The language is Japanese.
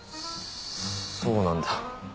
そうなんだ。